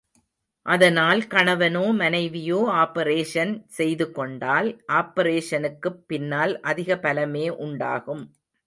அதனால் கணவனோ மனைவியோ ஆப்பரேஷன் செய்து கொண்டால், ஆப்பரேஷனுக்குப் பின்னால் அதிக பலமே உண்டாகும்.